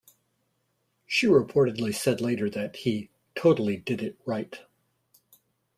She reportedly said later that he "totally did it right".